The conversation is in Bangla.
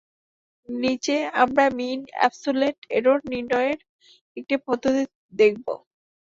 নিচে আমরা মিন এবস্যুলেট এরর নির্ণয়ের একটি পদ্ধতি দেখবো।